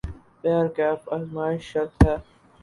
بہرکیف آزمائش شرط ہے ۔